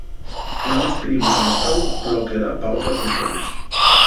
Namás pidimos al Estáu lo que da pa otres rexones.